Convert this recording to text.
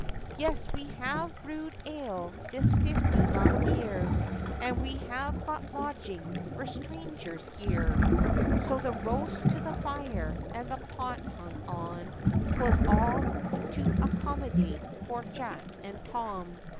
'Yes, we have brewed ale this fifty lang year, And we have got lodgings for strangers here.' So the roast to the fire, and the pot hung on, 'Twas all to accommodate poor Jack and Tom.